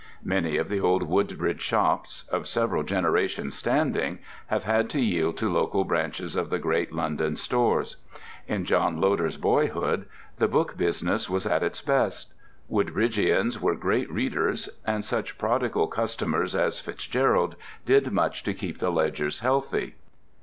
Many of the old Woodbridge shops, of several generations' standing, have had to yield to local branches of the great London "stores." In John Loder's boyhood the book business was at its best. Woodbridgians were great readers, and such prodigal customers as FitzGerald did much to keep the ledgers healthy.